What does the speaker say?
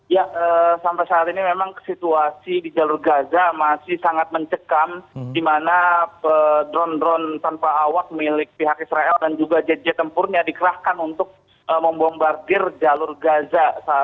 ya sampai saat ini memang situasi di jalur gaza masih sangat mencekam di mana drone drone tanpa awak milik pihak israel dan juga jet jet tempurnya dikerahkan untuk membombardir jalur gaza